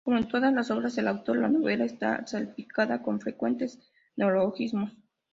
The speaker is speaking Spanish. Como en todas las obras del autor, la novela está salpicada de frecuentes neologismos.